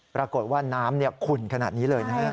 พรากฏว่าน้ำขุนขนัดนี้เลย